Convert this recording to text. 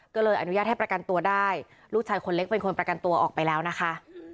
ก็เลยอนุญาตให้ประกันตัวได้ลูกชายคนเล็กเป็นคนประกันตัวออกไปแล้วนะคะ